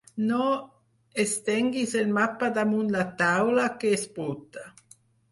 No estenguis el mapa damunt la taula, que és bruta.